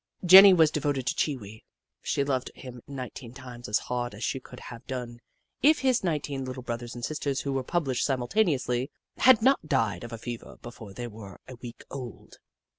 Jenny was devoted to Chee Wee. She loved him nineteen times as hard as she could have done if his eighteen little brothers and sisters, who were published simultaneously, had not died of a fever before they were a week old.